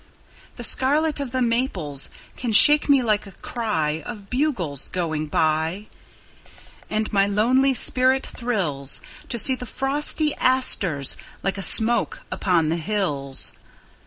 The scarlet of the maples can shake me like a cryOf bugles going by. And my lonely spirit thrillsTo see the frosty asters like a smoke upon the hills.